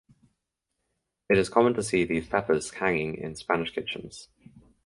It is common to see these peppers hanging in Spanish kitchens.